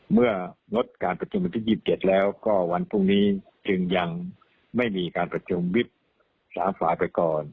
เมื่องดการประชุมวันที่๒๗แล้วก็วันพรุ่งนี้จึงยังไม่มีการประชุมวิบ๓ฝ่ายไปก่อน